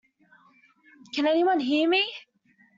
Can anyone hear me?